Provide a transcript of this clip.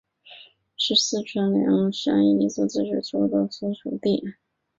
是四川省凉山彝族自治州首府所在地。